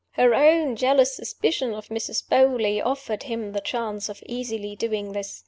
Her own jealous suspicions of Mrs. Beauly offered him the chance of easily doing this.